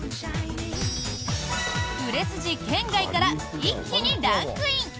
売れ筋圏外から一気にランクイン。